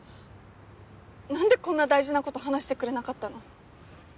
何でこんな大事なこと話してくれなかったの？